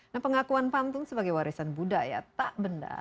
nah pengakuan pantun sebagai warisan budaya tak benda